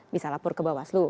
bisa lapor ke bawah selu